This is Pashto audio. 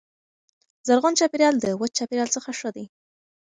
زرغون چاپیریال د وچ چاپیریال څخه ښه دی.